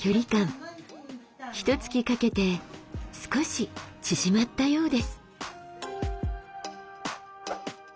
ひとつきかけて少し縮まったようです。